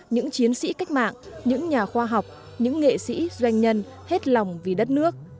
những chiến sĩ cách mạng những nhà khoa học những nghệ sĩ doanh nhân hết lòng vì đất nước